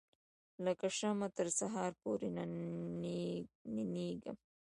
لکه شمعه تر سهار پوري ننیږم